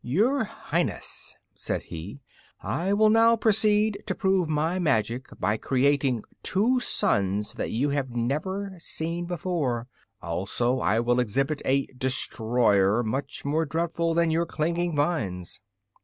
"Your Highness," said he, "I will now proceed to prove my magic by creating two suns that you have never seen before; also I will exhibit a Destroyer much more dreadful than your Clinging Vines."